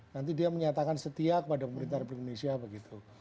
nanti dia menyatakan setia kepada pemerintah republik indonesia begitu